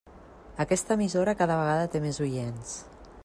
Aquesta emissora cada vegada té més oients.